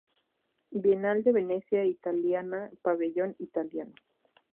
Bienal de Venecia italiana Pabellón Italiano.